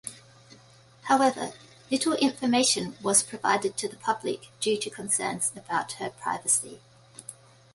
However, little information was provided to the public due to concerns about her privacy.